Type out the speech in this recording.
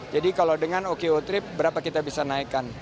jadi kalau dengan oko trip berapa kita bisa naikkan